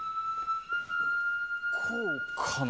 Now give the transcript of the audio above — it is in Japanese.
こうかな？